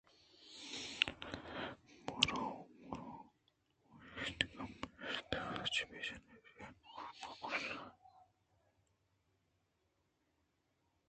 برو برو ہرچ گپے است ہمودا بہ جن اِش انوں ہچ مہ گوٛش